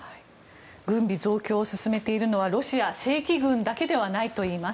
軍備増強を進めているのはロシア正規軍だけではないといいます。